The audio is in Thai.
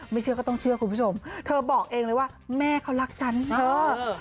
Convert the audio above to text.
เชื่อก็ต้องเชื่อคุณผู้ชมเธอบอกเองเลยว่าแม่เขารักฉันเออ